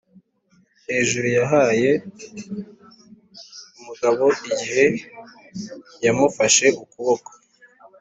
hejuru yahaye umugabo igihe yamufashe ukuboko,